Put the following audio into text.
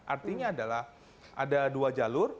artinya adalah ada dua jalur